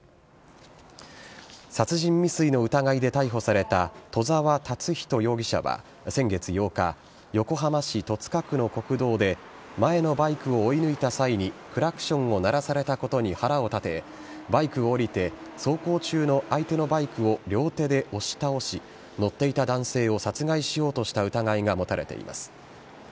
殺人未遂の疑いで逮捕された戸沢竜人容疑者は先月８日、横浜市戸塚区の国道で前のバイクを追い抜いた際にクラクションを鳴らされたことに腹を立てバイクを降りて走行中の相手のバイクを両手で押し倒し乗っていた男性を殺害しようとした疑いが持たれています。